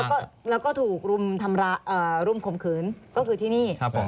อ่าแล้วก็แล้วก็ถูกรุมธรรมราอ่ารุมคมเขินก็คือที่นี่ครับผม